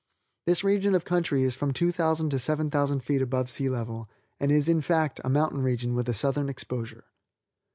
This region of country is from 2,000 to 7,000 feet above sea level and is, in fact, a mountain region with a southern exposure.